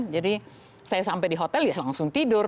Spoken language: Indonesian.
jadi saya sampai di hotel ya langsung tidur